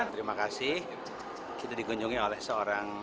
terima kasih kita dikunjungi oleh seorang